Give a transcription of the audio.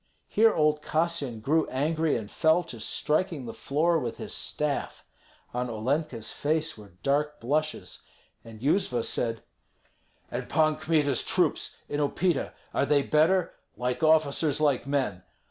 Here old Kassyan grew angry, and fell to striking the floor with his staff. On Olenka's face were dark blushes, and Yuzva said, "And Pan Kmita's troops in Upita, are they better? Like officers, like men.